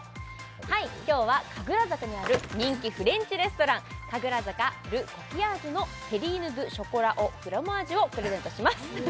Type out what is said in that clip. はい今日は神楽坂にある人気フレンチレストラン神楽坂ルコキヤージュのテリーヌドゥショコラオフロマージュをプレゼントします